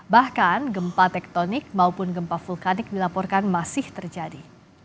bahkan gempa tektonik maupun gempa vulkanik dilaporkan masih terjadi